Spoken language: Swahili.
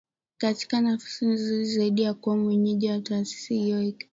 katika nafasi nzuri zaidi kuwa mwenyeji wa taasisi hiyo ikipewa asilimia themanini na sita